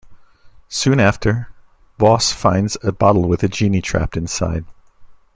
Soon after, Bosse finds a bottle with a genie trapped inside.